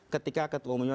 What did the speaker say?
ketika ketua umumnya